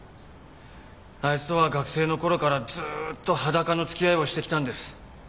あいつとは学生のころからずーっと裸の付き合いをしてきたんです。